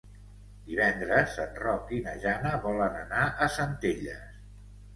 Divendres en Roc i na Jana volen anar a Centelles.